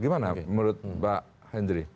gimana menurut mbak hendri